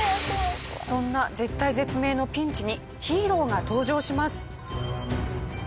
そんな絶体絶命のピンチにヒーローが登場します。